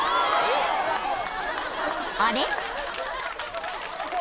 ［あれ？］